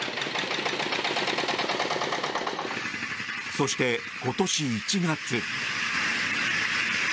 そして、今年１月。